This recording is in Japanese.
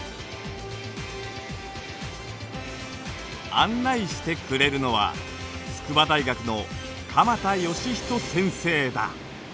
案内してくれるのは筑波大学の鎌田祥仁先生だ。